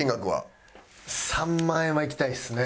３万円はいきたいですね。